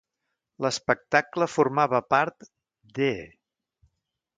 L'espectacle formava part d'E!